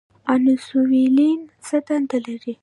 انسولین څه دنده لري؟